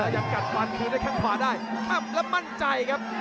อยากกัดมันคือได้แค่ขวาได้แล้วมั่นใจครับ